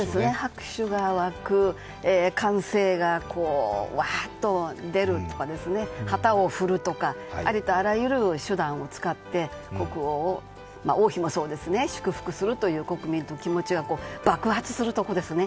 拍手が沸く歓声がうわっと出るとか旗を振るとか、ありとあらゆる手段を使って国王、王妃を祝福するという国民の感情が爆発するところですね。